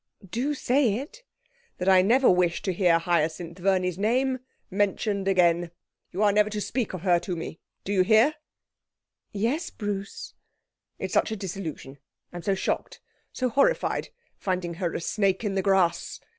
'Do say it.' 'That I never wish to hear Hyacinth Verney's name mentioned again. You are never to speak of her to me. Do you hear?' 'Yes, Bruce.' 'It is such a disillusion. I'm so shocked, so horrified, finding her a snake in the grass.'